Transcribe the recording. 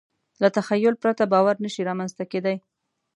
له تخیل پرته باور نهشي رامنځ ته کېدی.